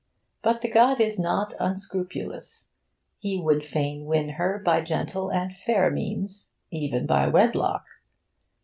But the god is not unscrupulous. He would fain win her by gentle and fair means, even by wedlock.